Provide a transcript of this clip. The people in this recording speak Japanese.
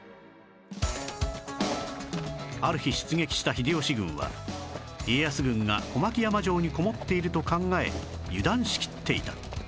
ある日出撃した秀吉軍は家康軍が小牧山城にこもっていると考え油断しきっていた